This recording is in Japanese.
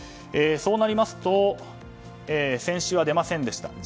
そうなりますと先週は出ませんでした